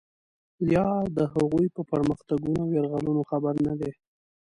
یا د هغوی په پرمختګونو او یرغلونو خبر نه دی.